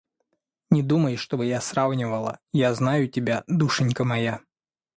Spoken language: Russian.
Не думай, чтобы я сравнивала... Я знаю тебя, душенька моя.